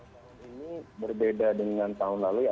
kalau tahun ini berbeda dengan tahun lalu